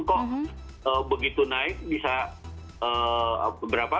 kok begitu naik bisa berapa